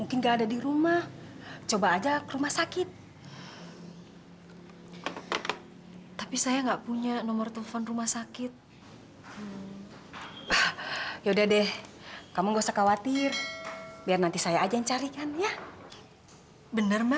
ini besok pagi aja ya